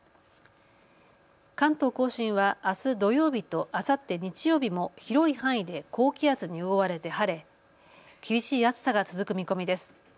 関東甲信はあす土曜日とあさって日曜日も広い範囲で高気圧に覆われて晴れ、厳しい暑さが続く見込みです。